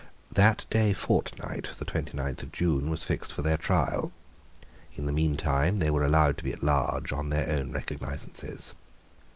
That day fortnight, the twenty ninth of June, was fixed for their trial. In the meantime they were allowed to be at large on their own recognisances.